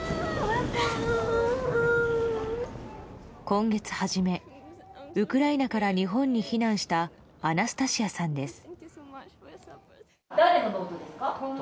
今月初めウクライナから日本に避難したアナスタシアさんです。